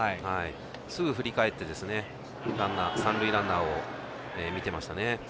すぐに振り返って三塁ランナーを見ていましたね。